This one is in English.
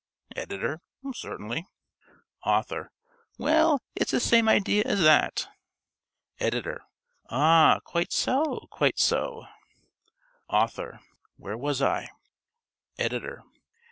_ ~Editor.~ Certainly. ~Author.~ Well, it's the same idea as that. ~Editor.~ Ah, quite so, quite so. ~Author.~ Where was I? ~Editor.